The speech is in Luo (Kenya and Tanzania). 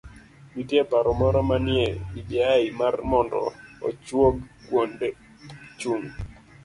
Nitie paro moro manie bbi mar mondo ochuog kuonde chung'